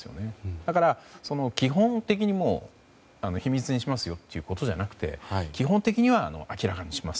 だから、基本的に秘密にしますよということではなくて基本的には明らかにします。